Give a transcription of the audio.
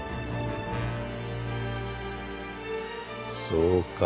そうか。